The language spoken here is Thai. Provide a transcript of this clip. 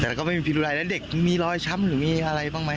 แต่ก็ไม่มีพิรุัยแล้วเด็กมีรอยช้ำหรือมีอะไรบ้างไหม